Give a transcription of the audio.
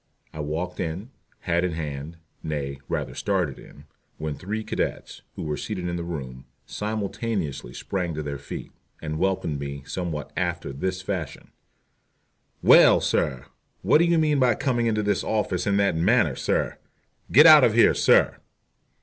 I walked in, hat in hand nay, rather started in when three cadets, who were seated in the room, simultaneously sprang to their feet, and welcomed me somewhat after this fashion: "Well, sir, what do you mean by coming into this office in that manner, sir? Get out of here, sir."